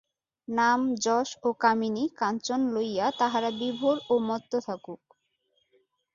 নাম, যশ ও কামিনী-কাঞ্চন লইয়া তাহারা বিভোর ও মত্ত থাকুক।